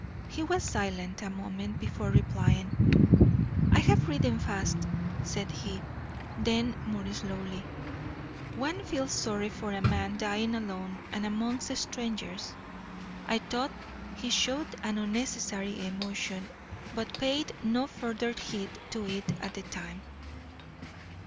He was silent a moment before replying. 'I have ridden fast,' said he; then more slowly, 'One feels sorry for a man dying alone and amongst strangers.' I thought he showed an unnecessary emotion, but paid no further heed to it at the time.